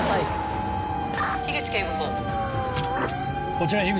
こちら口。